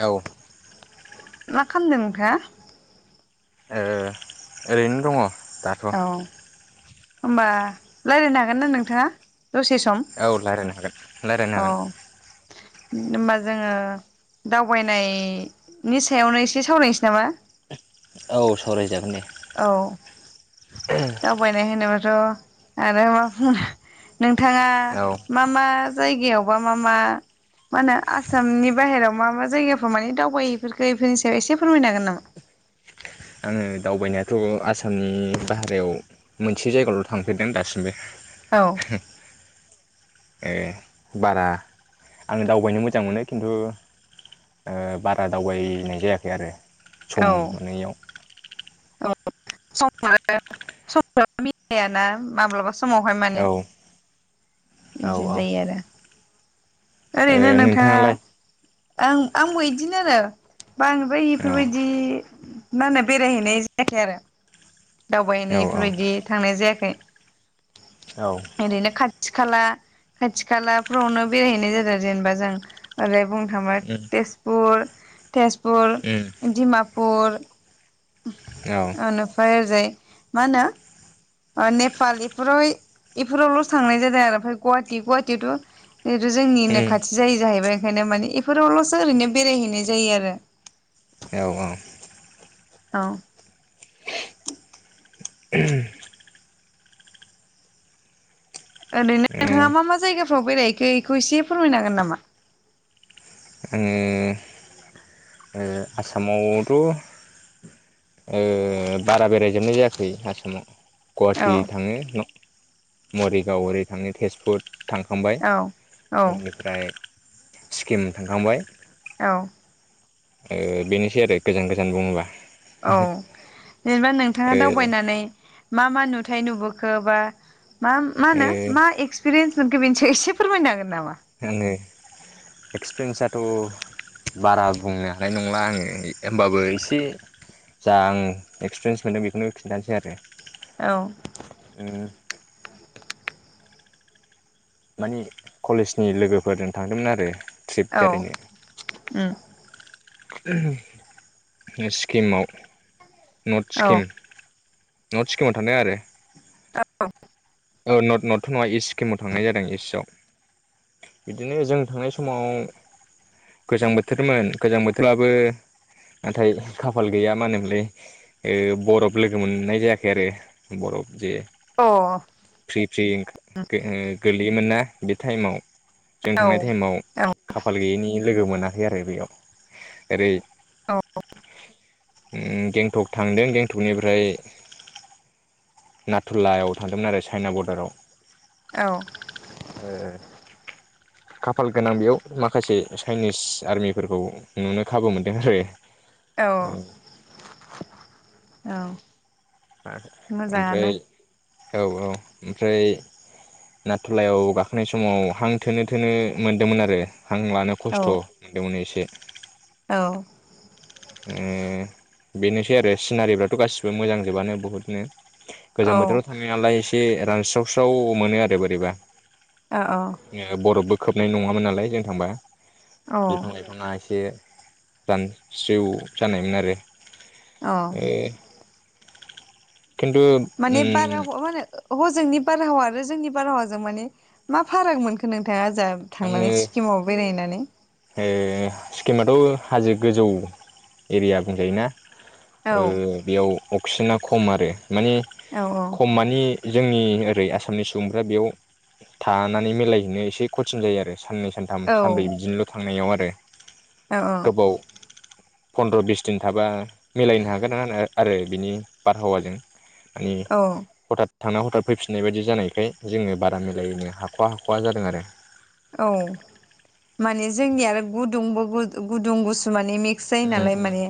औ मा खालामदों नोंथाङा? ओ ओरैनो दङ। औ दाथ'- होमबा रायज्लायनो हागोन ना नोंथाङा? दसे सम औ रायज्लायनो हागोन रायज्लायनो हागोन। होनबा जोङो दावबायनायनि सायावनो एसे सावरायनोसै नामा? । औ सावरायजागोन दे। औ दावबायनाय होनोबा थ' आरो मा बुंनों‌ नों थाङा औ मा मा जायगायावबा मा मा मा होनो आसामनि बाहेरायाव मा मा जायगाफोराव मानि दावबाय हैफेरखो बेफोरनि सायाव एसे फोरमायनो हागोन नामा? आङो दावबायनायाथ' आसा आसामनि बाहेरायाव मोनसे जायगायावल' थांफेरदों दासिमबो। औ ओ बारा आङो दावबायनो मोजां मोनो खिन्थु ओ बारा दावबायनाय जायाखै आरो। सम औ मोनियाव। औ [unintelligible] मिलायाना माब्लाबा समावहाय औ माने। औ बिदिनो औ ओ जायो आरो। ओरैनो नोंथाङा नोंथाङालाय आं आंबो इदिनो आरो बांद्राय औ इफोरबायदि माने बेरायहैनाय जायाखै आरो। औ दावबायनाय औ इफोरबायदि थांनाय जाया खै। औ एरैनो खा थि खाला खाथि खालाफ्रावनो बेरायहैनाय जादों जेनेबा जों ओरै बुंनो थाङोबा उम तेजपुर तेजपुर उम डिमापुर औ ओनोफ्राय ओरैजाय मा होनो ओ नेपाल इफोरावहाय इफोरावल'सो थांनाय जादों आरो ओमफ्राय गुवाहाटि गुवाहाटियावथ' जोंनिनो उम खाथि जायो जाहैबाय ओंखायनो माने बेफोरावल'सो ओरैनो बेरायहैनाय जायो आरो। औ ओ आङो औ। ओरैनो नोंथाङा मा मा जायगाफ्राव बेरायहैखो इखौ एसे फोरमायनो हागोन नामा? ओ आसामावथ' ओ बारा बेरायजोबनाय जायाखै आसामाव। औ गुवाहाटि थाङो न मरिगाव ओरै थांनो तेजपुर थांखांबाय। औ औ बेनिफ्राय सिक्किम थांखांबाय। औ। ओ बेनोसै आरो गोजान गोजान बुङोबा। औ। जेनेबा नोंथाङा ओ दावबायनानै मा मा नुथाय नुबोखो बा मा मा ओ होनो मा एक्स पिरेन्स मोनखो बेनि सायाव एसे फोरमायनो हागोन नामा? आङो एक्सपिरियेन्सथ' बारा बुंनो हानाय नंला आङो होमबाबो एसे जा आं एक्सपिरियेन्स मोनदों बेखौनो खिन्थानोसै आरो। औ। उम मानि कलेजनि लोगोफोरजों थांदोंमोन आरो ट्रिप औ उम। उम सिक्किमाव नर्थ औ सिक्किम। नड सिक्किमाव थांदों आरो। औ। ओ नड नड नङा इस्ट सिक्किमाव थांनाय जादों इस्टआव बिदिनो जों थांनाय समाव गोजां बोथोरमोन गोजां बोथोराबो नाथाय खाफाल गैया ओ मा होनोमोनलाय बरफ लोगोमोन्नाय जायाखै आरो लोगो मोननाय ज बरफ जे अ। फ्रि फ्रि [unintelligible] गो लैयोमोन ना बे टाइमाव। जों अ औ थांनाय टाइमाव खाफाल गैयैनि लोगो मोनाखै आरो बेयाव ओरै औ। गेंटक थांदों गेंटकनिफ्राय नाथुल्लायाव थांदोंमोन आरो चाइना बरदाराव। औ ओ खाफाल गोनां बेयाव माखासे चाइनिस आर्मिफोरखौ नुनो खाबु मोनदों आरो ओ औ औ। ओमफ्राय मोजाङानो औ औ ओमफ्राय नाथुलायाव गाखोनाय समाव हां थोनो थोनो मोनदोंमोन आरो हां लानो औ खस्थ' मोनदोंमोन एसे। औ। ओ बेनोसै आरो सिनारिफ्राथ' गासिबो मोजांजोबानो बुहुतनो। गोजां औ बोथोराव थांनायनालाय से रानस्रावस्राव मोनो आरो बोरैबा। औ बरफबो खोबनाय नङामोन नालाय जों थांबा। बिफां औ लाइफाङा एसे दान स्रिव जानायमोन आरो। अ। ओ खिन्थु उम बारहावा मा होनो हजोंनि बारहावा आरो जोंनि बारहावाजों मानि मा फाराग मोनखो नोंथाङा ओ जों आङो थांनानै सिक्किमाव बेरायनानै? [inaudible] ओ सिक्किमाथ' हाजो गोजौ एरिया बुंजायोना। औ ओ बेयाव अक्सिजेना खम आरो। मानि औ खम मानि जोंनि ओरै आसामनि सुबुंफ्रा बेयाव थानानै मिलायहैनो एसे खथिन जायो आरो। सान्नै सान्थाम औ सानबै बिदिनोल' थांनायाव आरो औ औ गोबाव फन्द्र' बिस दिन थाबा मिलायनो हागोन ना आरो बिनि बारहावाजों मानि औ हथाद थांना हथाब फैफिननाय बायदि जानायखाय जोङो बारा मिलायनो हाख'आ हाख'आ जादों आरो औ माने जोंनि आरो गुदुंबो गुदुं गुसु मा ने मिक्स जायो उम नालाय उम माने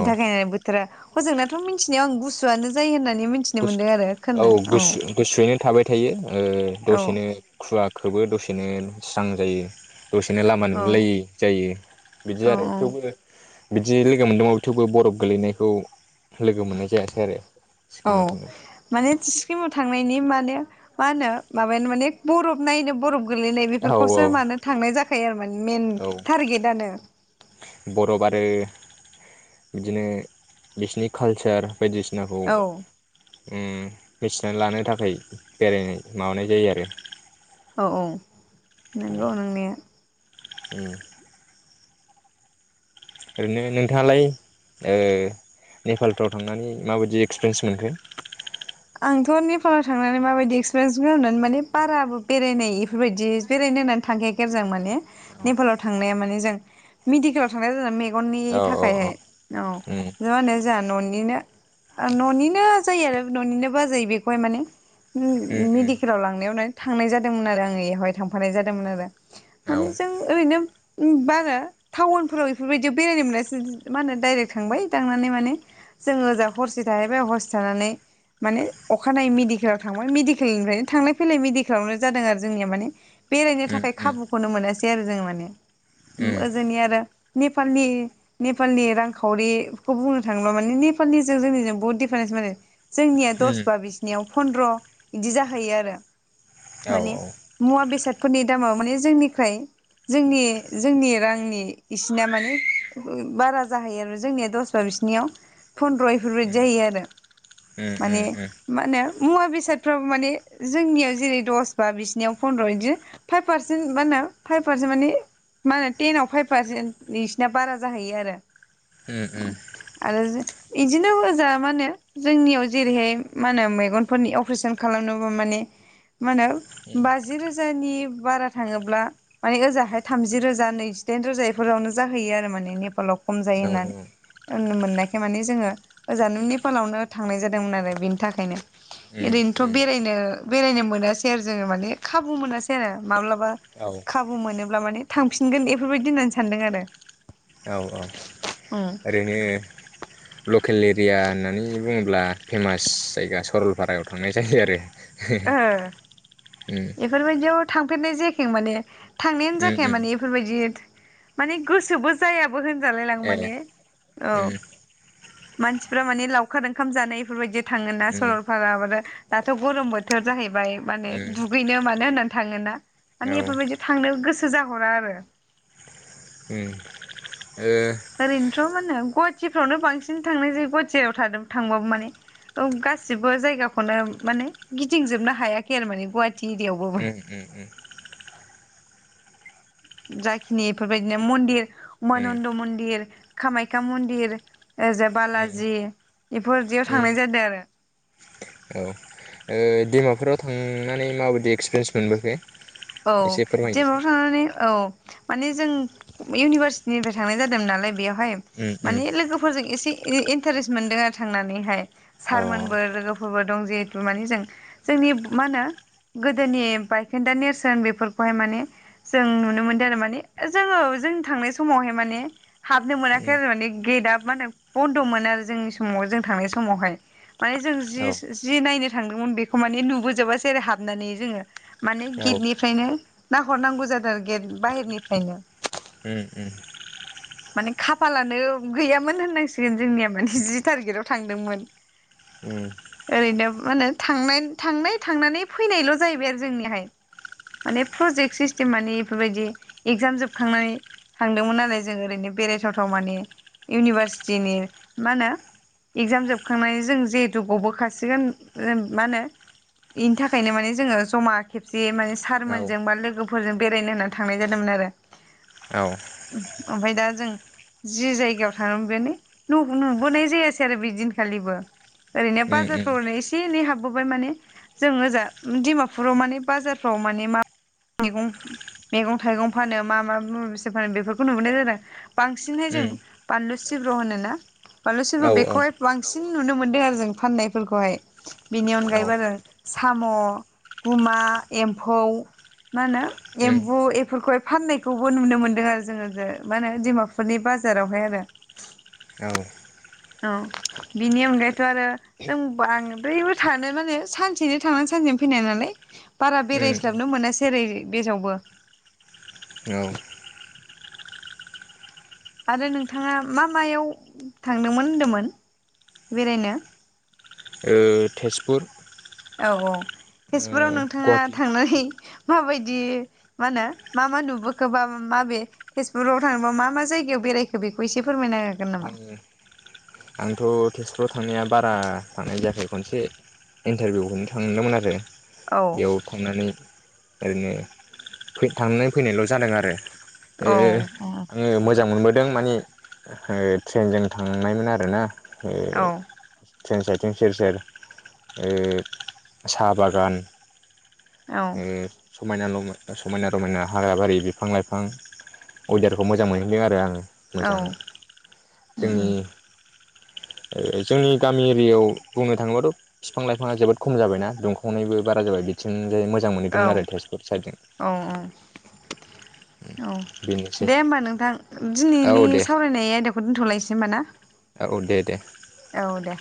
औ थाखाय बोथोरा हजोंनाथ' मिथिनायाव आं गुसुआनो जायो होनना नै मिथिनो गुसु मोनदों आरो खोननो औ गुसु गुसुयैनो थाबाय थायो ओ औ दसेनो खुवा खौबो दसेनो स्रां जायो। दसेनो लामा औ नुलायै जायो बिदि औ आरो औ थेवबो बिदि लोगो मोनदोंबाबो थेवबो बरफ गोलैनायखौ लोगो मोननाय जायासै आरो औ सिक्किमाव माने किमाव थांनायनि माने मा होनो माबायानो माने बरफ नायनो बरफ गोलैनाय थांनायाव औ बेफोरखौसो मानो थांनाय जा [inaudible] माने मेन औ टारगेट आनो बरफ आरो बिदिनो बिसिनि कालचार बायदिसिनाखौ औ ओम मिथिनानै लानो थाखाय बेरायनाय माबानाय जायो आरो औ औ नंगौ नंनाया उ ओरैनो नोंथाङालाय ओ नेपालफ्राव थांनानै माबायदि एक्सपिरियेन्स मोनखो? आंथ' नेपालाव थांनानै माबायदि एक्सपिरियेन्स गोन होननानै माने बाराबो बेरायनाय बेफोरबायदि बेरायनो होननानै थांखाया आरो जों माने औ नेपालाव थांनाया माने जों मिनिखाव थां जा मे गननि औ औ थाखायाय औ उम मा होन ज न'नि निनो न'निनो जायो आरो न'निनो बाजै बेखौ माने उम ओम मेडिकेलाव लांनायावनो थांनाय जादोंमोन आरो आङो बेवहाय थांफानाय जादोंमोन आरो औ माने जों ओरैनो बारा टाउनफोराव बेफोरबायदियाव बेरायनो मोनासै मा होनो डायरेक्ट थांबाय थांनानै माने जोङो होजा हरसे थाहैबाय हरसे थानानै माने अखानायै मेडिकेलाव थांबाय मेडिकेलनिफ्रायनो थांलाय फैलाय मेडिकेलावनो जादों आरो जोंनिया माने बेरायनो उम थाखाय उम खाबुखौनो मोनासै सेै आरो जोङो माने उम ओम उम ओजोंनि आरो नेपालनि नेपालनि रांखावरिखौ बुंनो थाङोब्ला माने नेपालिजों जोंनिजों बहुत दिडिफारेन्स माने जोंनिया दसबा बिसिनियाव फन्द्र बिदि जाहैयो आरो औ माने औ उम मुवा बेसाद फोरनि दामाव माने जोंनिफ्राय जोंनि जोंनि रांनि इसिना माने बारा जाहैयो आरो जोंनिया दसबा बिसिनियाव फन्द्र' एफोरबादि उम जायो आरो उम माने उम उम। मा होनो मुवा बेसादफ्राबो माने जोंनियाव जेरै दस बा बिसिनियाव फन्द्र' बिदि फाइभ पारसेन्ट मा होनो फाइभ पारसेन्ट माने मा होनो टेनाव फाइभ पारसेन्ट बिसिना बारा जाहैयो आरो। उम आरो जे बिदिनो होजा माने जोंनियाव जेरैहाय मा होनो मेगनफोरनि अपारेशन खालामनोबा माने मा होनो बाजि रोजानि बारा थाङोब्ला माने ओजाहाय थामजि रोजा नैजिदाइन रोजा बेफोरावनो जाहैयो आरो माने नेपालाव खम जायो होननानै होननो मोननाय माने जोङो ओजानो नेपालावनो थांनाय जादोंमोन आरो बेनि थाखायनो। ओरैनोथ' उम बेरायनो बेरायनो मोनासै आरो जोङो माने खाबु मोनासै आरो माब्लाबा औ खाबु मोनोब्ला माने थांफिनगोन बेफोरबायदि होननानै सानदों आरो। औ औ उम ओरैनो लकेल एरिया होननानै बुङोब्ला फेमास जायगा सरलपारायाव थांनाय जायो आरो। ओ उम । एफोरबायदिआव थांफेरनाय जायाखै माने। थांनायानो उम जाखाया उम माने एफोरबायदि माने गोसोबो जाया बो होनजालाय लां ए माने औ। उम मानसिफ्रा माने लावखार ओंखाम जानाय एफोरबायदि थाङोना उम सरलपारा आरो दाथ' गरम बो थ जाहै बाय माने उम दुगैनो मानो होननानै थाङोना। औ मानि एफोरबायदिआव थांनो गो सो जाहरा आरो। उम ओ ओरैनोथ' मा होनो गुवा हाटिफ्रावनो बांसिन थांनाय जायो गुवाहाटियाव थादों थांबाबो माने गासिबो जायगाखौनो माने गिदिंजोबनो हायाखै आरो माने गु उम उम जाखिनि एफोरबायदिनो मन्दिर उम उमानन्द मन्दिर कामाख्या मन्दिर ओरैजाय उम बालाजि इफोरदियाव उम थांनाय जादों आरो। औ ओ दैमाफोराव थांनानै माबायदि एक्सपिरियेन्स मोनबोखो। औ एसे फोरमायदो दैमायाव थांनानै औ माने जों इउनिभारसिटिनिफ्राय थांनाय जादोंमोन नालाय बेयाव हाय उम उम माने लोगोफोरजों एसे इ इन्टारेस्ट मोनदों आरो थांनानैहाय। ओ सारमोनबो लोगोफोरबो दं जिहेथु माने जों जोंनि मा होनो गोदोनि बायखोन्दा नेरसोन बेफोरखौहाय माने जों नुनो मोनदों आरो माने जोङो जों थांनाय समावहाय माने हाबनो मोनाखै आरो मानि गेटआ मा होने बन्द'मोन आरो जोंनि समाव जों थांनाय समावहाय माने जों जि जि नायनो थांदोंमोन बेखौ माने नुबोजोबासैे आरो हाबनानै जोङो माने गेटनि फ्रायनो नायहरनांगौ जादों गेट बाहेरनिफ्रायनो माने खाफालानो गैयामोन होननांसिगोन जोंनिया माने जि टारगेटाव थांदोंमोन ओरैनो मा होनो थांनाय थांनानै फैनायल' जाहैबाय आरो जोंनिहाय माने प्रजेक्ट सिस्टेम मानिे बेफोरबायदि एगजाम जोबखांनानै थांदोंमोन नालाय जों ओरैनो बेरायथावथाव माने इउनिभारसिटिनि मा होनो इगजाम जोबखांनानै जों जिहेथु गबोखाासिगोन मा होनो बेनि थाखायनो माने जोङो जमा खेबसे माने सारमोनजों बा लोगोफोरजों बेरायनो होननानै थांनाय जादोंमोन आरो ओमफ्राय दा जों जि जायगायाव थाङ बेनो नुबोनाय जायासै आरो बे दिनखालिबो ओरैनो बाजारफ्राव ओरैनो एसे एनै हाबबोबाय माने जों ओजाा डिमापुराव माने बाजारफ्राव माने मा मैगं मैगं थाइगं फानो मा मा मसे फानो बे नु मोननाय जादों बांसिनहाय जों बानलु सिब्र' होन ना बानलु सिब्रु बेखौहाय बांसिन बांसिन नुनो मोनदों आरो जों फाननायफोरखौहाय बेनि अनगायैबो आरो साम' गुमा एम्फौ मा होनो एम्बु बेफोरखौहाय फाननायखौबो नुनो मोनदों आरो जोङो मा होनो डिमापुरनि बाजारावहाय आरो औ बिनि अनगायैथ' आरो जों बांद ब्रैबो थानो माने सानसेनो थांनानै सानसेनो फैनाय नालाय बारा बेरायस्लाबनो मोनासै ओरै जेरावबो आरो नोंथाङा मा मायाव थांदोंमोन होनदोंमोन बेरायनो तेजपुर औ औ तेस बेफोराव ओ नोंथाङा गुवाहाटि थांनानै माबायदि मा होनो मा मा नुबोखो बा माबे तेजपुराव थांयोबा मा मा जायगायाव बेरायखो बेखौ एसे फोरमायना आं आंथ' तेजपुराव थांनाया बारा थांनाय जायाखै खनसे इन्टारभिउखौनो थांदोंमोन आरो- औ बेउ थांनानै ओरैनो थांनाय फैनायल' जादों आरो- ओ औ आङो मोजां मोनबोदों माने ओ ट्रेनजों थांनायमोन आर ना औ ए ट्रेन साइथिं सेर सेर ओ साहा बागान- औ ओ समायना समायना रमायना ह्रागा बारि बिफां लाइफां वेदारखौ मोजां मोनहैदों आरो आङो मोजां जोंनि जोंनि गामि एरियायाव बुंनो थाङोबाथ' बिफां लाइफाङा जोबोद खम जाबायना दुंखावनायबो बारा जाबाय बिथिं जै मोजां मोनहैदोंमोन औ आरो तेजपुर साइदजों औ औ औ दे होमबा नोंथां औ दिनैनि दे सावरायनाय आयदाखौ दोनथ'लायसै [unintelligible] औ दे दे औ दे